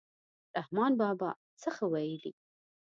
رحمان بابا څه ښه ویلي.